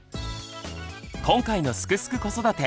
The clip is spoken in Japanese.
今回の「すくすく子育て」